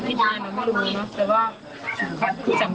แฟนแฟนเราไม่ได้ทำแต่บอกไม่ได้อธิสูจน์ให้